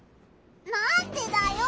なんでだよ！